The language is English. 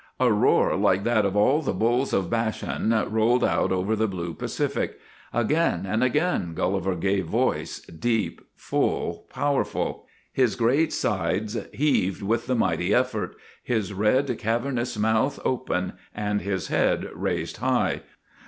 A roar like that of all the bulls of Bashan rolled out over the blue Pacific. Again and again Gulliver gave voice, deep, full, powerful. His great sides heaved with the mighty effort, his red, cavernous mouth open, and his head raised high.